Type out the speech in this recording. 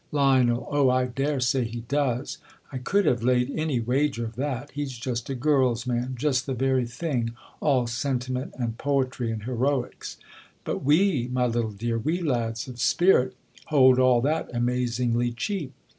Lion. O, I dare say he does ! I could have laid any wager of that. He's just a girl's man, just the very thing, all sentiment, and poetry, and heroics. But we, my little dear, we lads of spirit, hold all that amazingly, cheap.